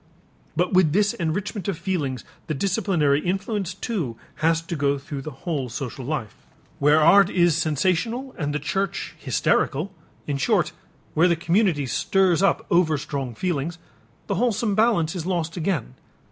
But with this enrichment of feelings the disciplinary influence too has to go through the whole social life. Where art is sensational and the church hysterical, in short, where the community stirs up overstrong feelings, the wholesome balance is lost again.